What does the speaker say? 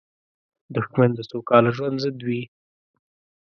دښمن د سوکاله ژوند ضد وي